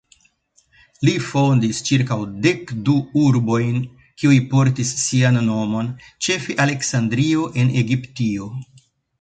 Li fondis ĉirkaŭ dekdu urbojn kiuj portis sian nomon, ĉefe Aleksandrio en Egiptio.